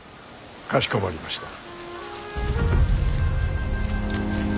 かしこまりました。